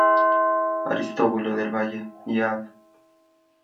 Aristóbulo del Valle y Av.